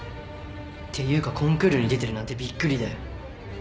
っていうかコンクールに出てるなんてびっくりだよ。